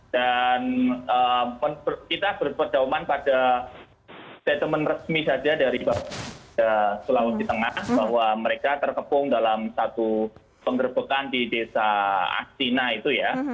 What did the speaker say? dan kita berpedauman pada detemen resmi saja dari sulawesi tengah bahwa mereka terkepung dalam satu pengerbekan di desa astina itu ya